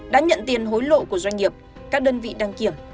đã nhận tiền hối lộ của doanh nghiệp các đơn vị đăng kiểm